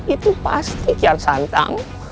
itu pasti kian santang